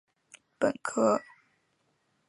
本科生专业设有建筑学。